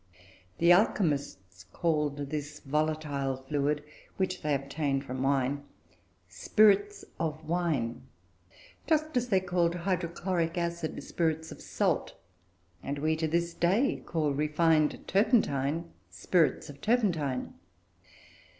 The Alchemists called this volatile liquid, which they obtained from wine, "spirits of wine," just as they called hydrochloric acid "spirits of salt," and as we, to this day, call refined turpentine "spirits of turpentine."